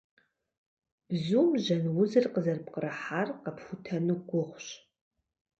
Бзум жьэн узыр къызэрыпкърыхьар къэпхутэну гугъущ.